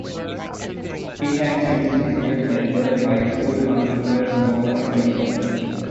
He has since visited Melbourne High School on numerous formal occasions.